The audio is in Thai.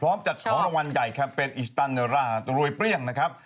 พร้อมจัดของรวรรณใหญ่แคมเป็นอิชิตันเนอร่าตรวยเปรี้ยงนะครับ